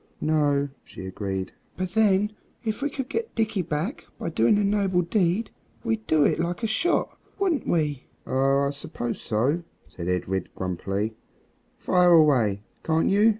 "No," she agreed; "but then if we could get Dickie back by doing a noble deed we'd do it like a shot, wouldn't we?" "Oh! I suppose so," said Edred grumpily; "fire away, can't you?"